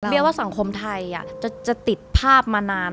เรียกว่าสังคมไทยจะติดภาพมานาน